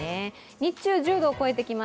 日中、１０度を超えてきます。